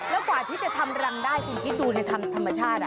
แล้วกว่าที่จะทำรังได้คุณคิดดูในธรรมชาติ